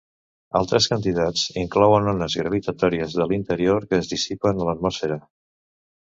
Altres candidats inclouen ones gravitatòries de l'interior que es dissipen a l'atmosfera.